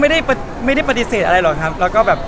เขาไม่ได้ปฏิเสธอะไรหรอกครับ